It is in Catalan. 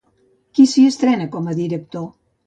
Qui s'hi estrena com a director?